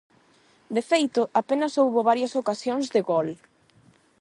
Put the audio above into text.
De feito, apenas houbo varias ocasións de gol.